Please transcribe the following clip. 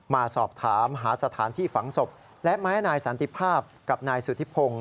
มาสอบถามหาสถานที่ฝังศพและแม้นายสันติภาพกับนายสุธิพงศ์